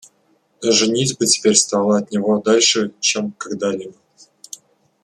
Но женитьба теперь стала от него дальше, чем когда-либо.